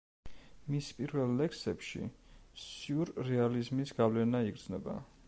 მის პირველ ლექსებში სიურრეალიზმის გავლენა იგრძნობა.